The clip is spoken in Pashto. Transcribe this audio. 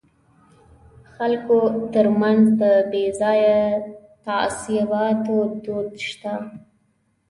د خلکو ترمنځ د بې ځایه تعصباتو دود شته.